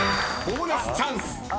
［ボーナスチャンス！］